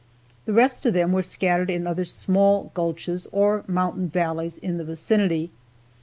The rest of them were scattered in other small gulches or mountain valleys in the vicinity.